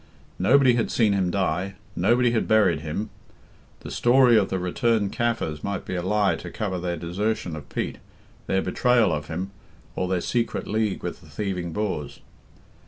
Nobody had seen him die, nobody had buried him; the story of the returned Kaffirs might be a lie to cover their desertion of Pete, their betrayal of him, or their secret league with the thieving Boers.